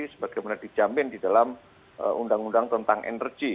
sebagaimana dijamin di dalam undang undang tentang energi